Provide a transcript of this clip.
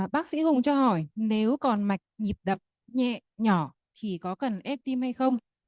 bác sĩ hùng cho hỏi nếu còn mạch nhịp đập nhẹ nhỏ thì có cần ép tim hay không